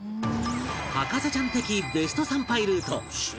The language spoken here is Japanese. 博士ちゃん的ベスト参拝ルート